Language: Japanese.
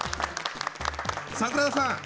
櫻田さん